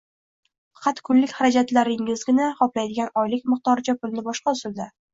faqat kunlik xarajatlaringiznigina qoplaydigan oylik miqdoricha pulni boshqa usulda